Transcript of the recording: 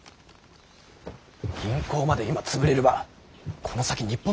銀行まで今潰れればこの先日本の経済は。